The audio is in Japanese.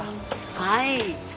はい。